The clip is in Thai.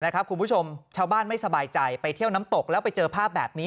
คุณผู้ชมชาวบ้านไม่สบายใจไปเที่ยวน้ำตกแล้วไปเจอภาพแบบนี้